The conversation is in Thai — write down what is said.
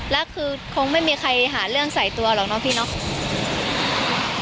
แล้วคือคงไม่มีใครหาเรื่องใส่ตัวหรอกเนาะพี่เนาะ